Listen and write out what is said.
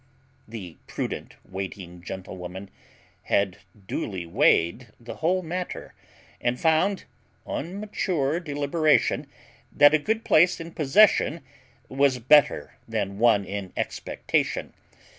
The prudent waiting gentlewoman had duly weighed the whole matter, and found, on mature deliberation, that a good place in possession was better than one in expectation.